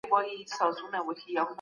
سازمانونو به د مظلومانو کلکه ساتنه کول.